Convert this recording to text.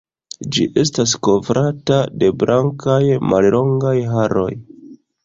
Ĝi estas kovrata de blankaj, mallongaj haroj.